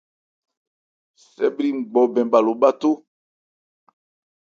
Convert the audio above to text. Sɛ bhri ngbɔ bɛn bha lo bháthó.